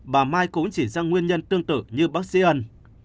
bà mai cũng chỉ ra nguyên nhân tương tự như bác sĩ ân